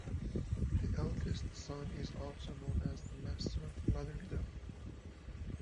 The eldest son is also known as the Master of Lauderdale.